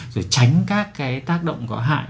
rồi tránh các cái tác động có hại